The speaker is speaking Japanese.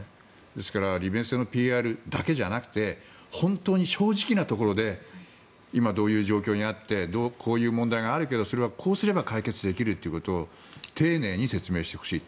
ですから利便性のＰＲだけじゃなくて本当に正直なところで今どういう状況にあってこういう問題があるけどそれは、こうすれば解決できるということを丁寧に説明してほしい。